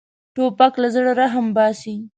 توپک له زړه رحم باسي.